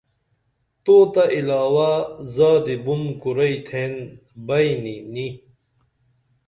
تو تہ علاوہ زادی بُن کُرئی تھین بئیںی نی